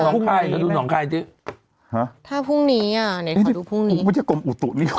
ประเทศไทยพุกนี้